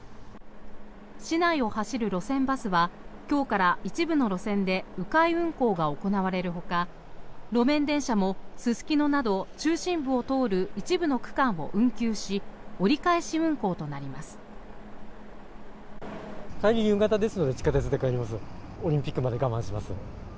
市内を走る路線バスは今日から一部の路線で迂回運行が行われるほか路面電車もすすきのなど中心部を通る一部の区間を運休し折り返し運行となります。